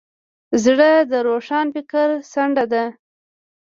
زړه د روښان فکر څنډه ده.